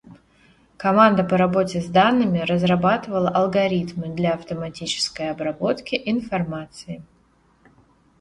Команда по работе с данными разрабатывала алгоритмы для автоматической обработки информации.